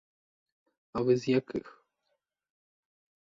А ви з яких?